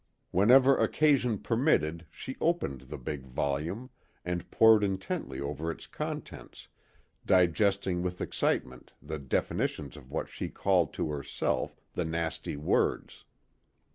Whenever occasion permitted she opened the big volume and poured intently over its contents, digesting with excitement the definitions of what she called to herself, the nasty words.